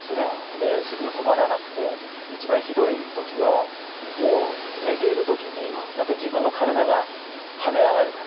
でせきも止まらなくて一番ひどい時はもう寝ている時に何か自分の体が跳ね上がる感じ。